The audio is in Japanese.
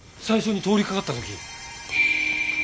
最初に通りかかった時。